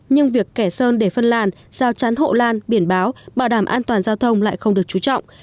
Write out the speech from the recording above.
nhưng việc kẻ sơn để phân làn giao chán hộ lan biển báo bảo đảm an toàn giao thông lại không được chú trọng